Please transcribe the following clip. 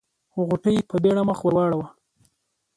غوټۍ په بيړه مخ ور واړاوه.